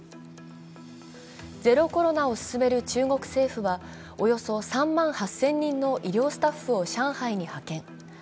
ゼロコロナを進める中国政府はおよそ３万８０００人の医療スタッフを上海に派遣。